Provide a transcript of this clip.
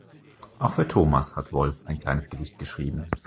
Auch für Thomas hat Wolf ein kleines Gedicht geschrieben.